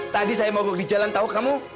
tadi saya mau di jalan tahu kamu